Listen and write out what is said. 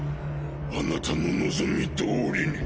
あなたの望み通りに！